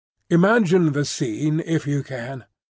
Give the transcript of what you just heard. Imagine the scene if you can!